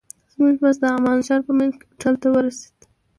زموږ بس د عمان ښار په منځ کې هوټل ته ورسېد.